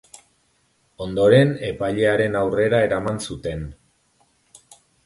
Ondoren epailearen aurrera eraman zuten.